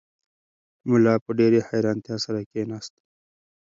ملا په ډېرې حیرانتیا سره کښېناست.